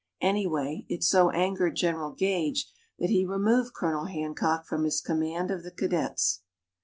Anyway, it so angered General Gage that he removed Colonel Hancock from his command of the cadets.